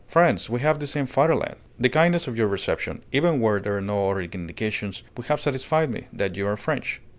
Friends, we have the same fatherland. The kindness of your reception, even were there no other indications, would have satisfied me that you are French.